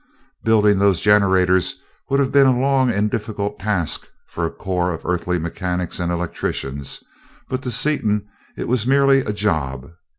Building those generators would have been a long and difficult task for a corps of earthly mechanics and electricians, but to Seaton it was merely a job.